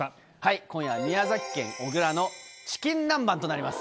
今夜は宮崎県おぐらのチキン南蛮となります。